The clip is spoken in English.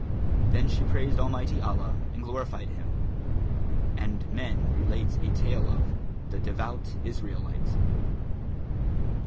Then she praised Almighty Allah and glorified Him. And men relate a tale of THE DEVOUT ISRAELITE.